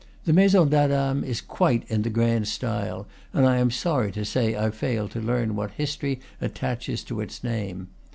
The Maison d'Adam is quite in the grand style, and I am sorry to say I failed to learn what history attaches to its name.